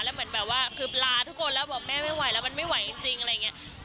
แล้วเหมือนแบบว่าคือปลาทุกคนแล้วบอกแม่ไม่ไหวแล้วมันไม่ไหวจริงอะไรอย่างนี้